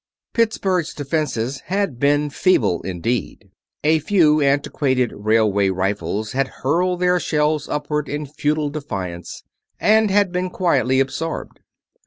Pittsburgh's defenses had been feeble indeed. A few antiquated railway rifles had hurled their shells upward in futile defiance, and had been quietly absorbed.